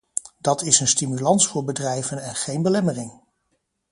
Dat is een stimulans voor bedrijven en geen belemmering.